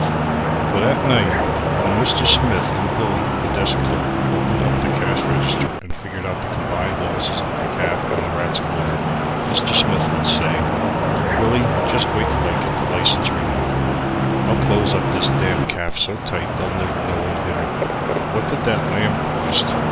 But at night, when Mr. Smith and Billy, the desk clerk, opened up the cash register and figured out the combined losses of the caff and the Rats' Cooler, Mr. Smith would say: "Billy, just wait till I get the license renood, and I'll close up this damn caff so tight they'll never know what hit her. What did that lamb cost?